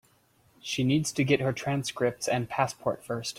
She needs to get her transcripts and passport first.